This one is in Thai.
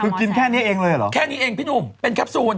คือกินแค่เนี่ยเองเลยหรอแค่เนี่ยเองผู้หนุ่มเป็นแคปซูน